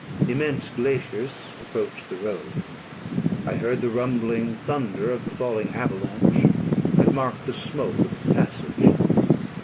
Immense glaciers approached the road; I heard the rumbling thunder of the falling avalanche, and marked the smoke of its passage.